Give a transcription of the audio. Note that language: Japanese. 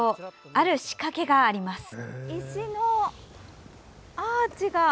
ある仕掛けがあります。